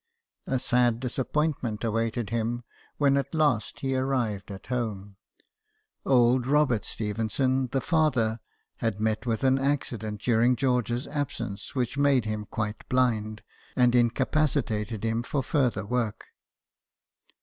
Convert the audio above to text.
A sad disappointment awaited him when at last he arrived at home. Old Robert Stephen son, the father, had met with an accident during George's absence which made him quite blind, and incapacitated him for further work.